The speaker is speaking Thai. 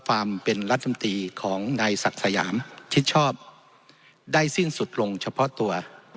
ความเป็นรัฐมนตรีของนายศักดิ์สยามชิดชอบได้สิ้นสุดลงเฉพาะตัว